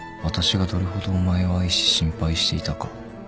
「私がどれほどお前を愛し心配していたか」